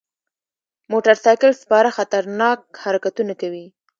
موټر سایکل سپاره خطرناک حرکتونه کوي.